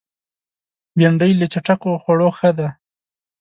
بېنډۍ له چټکو خوړو ښه ده